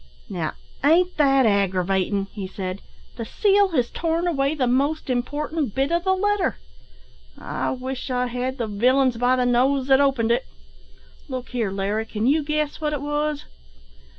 "Now, ain't that aggravatin'?" he said; "the seal has torn away the most important bit o' the letter. I wish I had the villains by the nose that opened it! Look here, Larry, can you guess what it was?"